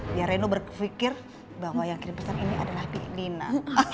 biar reno berpikir bahwa yang kirim pesan ini adalah lina